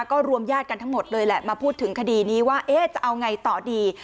ก็รวมญาติกันทั้งหมดเลยแหละมาพูดถึงคดีนี้ว่าจะเอาไงต่อดี